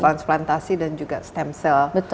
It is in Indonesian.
transplantasi dan juga stem cell